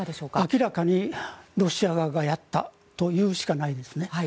明らかにロシア側がやったと言うしかないですね。